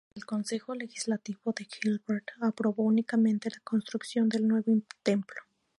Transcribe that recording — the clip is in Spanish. El consejo legislativo de Gilbert aprobó unánimemente la construcción del nuevo templo.